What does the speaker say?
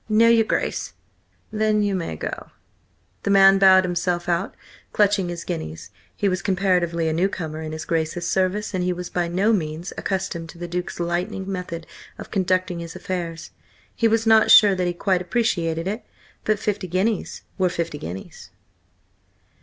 "No, your Grace." "Then you may go." The man bowed himself out, clutching his guineas. He was comparatively a newcomer in his Grace's service, and he was by no means accustomed to the Duke's lightning method of conducting his affairs. He was not sure that he quite appreciated it. But fifty guineas were fifty guineas.